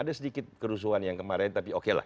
ada sedikit kerusuhan yang kemarin tapi oke lah